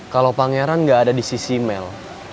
kalo pangeran gak ada di sisi mel